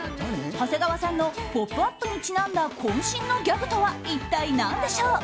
長谷川さんの「ポップＵＰ！」にちなんだ渾身のギャグとは一体なんでしょう。